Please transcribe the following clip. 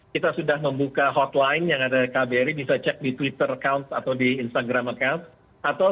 kita sudah membuka hotline yang ada di kbri bisa cek di twitter account atau di instagram account